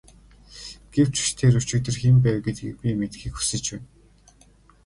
Гэвч тэр өчигдөр хэн байв гэдгийг би мэдэхийг хүсэж байна.